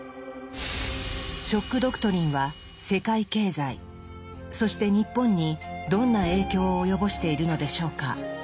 「ショック・ドクトリン」は世界経済そして日本にどんな影響を及ぼしているのでしょうか。